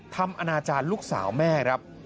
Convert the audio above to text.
ทำอาญาจารย์ลูกสาวแม่